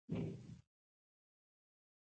هغوی وایي چې میلمه د خدای مېلمه ده